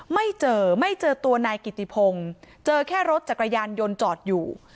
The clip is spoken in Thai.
ไม่เจอไม่เจอตัวนายกิติพงศ์เจอแค่รถจักรยานยนต์จอดอยู่